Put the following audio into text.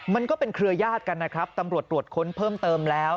มันก็เป็นเครือยาศกันนะครับตำรวจตรวจค้นเพิ่มเติมแล้ว